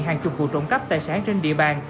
hàng chục vụ trộm cắp tài sản trên địa bàn